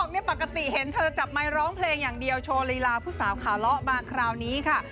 ปกติเห็นเธอจับไมค์ร้องเพลงอย่างเดียวโชว์ลีลาผู้สาวขาเลาะมาคราวนี้ค่ะ